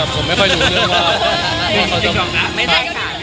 ผมไม่ค่อยรู้เรื่องว่า